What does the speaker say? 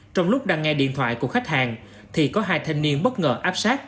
trong lúc đăng nghe điện thoại của khách hàng thì có hai thanh niên bất ngờ áp sát